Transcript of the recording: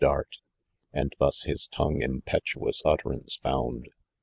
dart, And thus hi3 tongue impetuous utterance found.